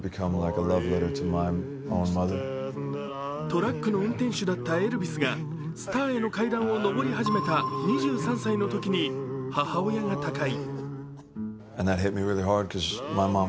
トラックの運転手だったエルヴィスがスターへの階段を上り始めた２３歳のときに母親が他界。